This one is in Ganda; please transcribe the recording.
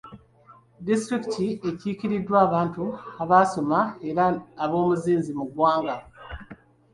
Disitulikiti ekiikiriddwa abantu abaasoma era ab'omuzinzi mu ggwanga.